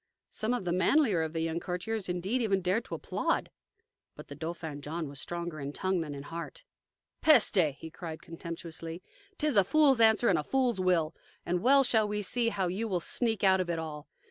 Some of the manlier of the young courtiers indeed even dared to applaud. But the Dauphin John was stronger in tongue than in heart. "Peste!" he cried contemptuously. "'T is a fool's answer and a fool's will. And well shall we see now how you will sneak out of it all.